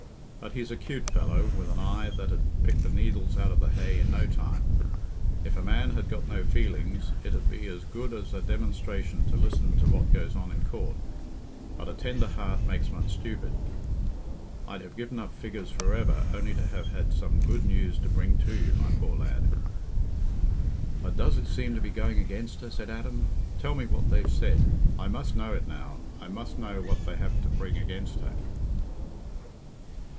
But he's a 'cute fellow, with an eye that 'ud pick the needles out of the hay in no time. If a man had got no feelings, it 'ud be as good as a demonstration to listen to what goes on in court; but a tender heart makes one stupid. I'd have given up figures for ever only to have had some good news to bring to you, my poor lad." "But does it seem to be going against her?" said Adam. "Tell me what they've said. I must know it now—I must know what they have to bring against her."